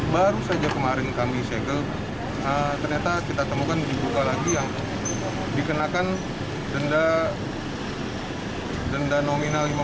baru saja kemarin kami segel ternyata kita temukan dibuka lagi yang dikenakan denda nominal